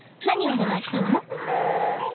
何お願いしたの？